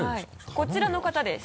こちらの方です。